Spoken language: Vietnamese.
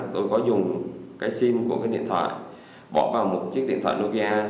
tôi có dùng cái sim của cái điện thoại bỏ vào một chiếc điện thoại nokia